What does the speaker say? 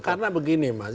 karena begini mas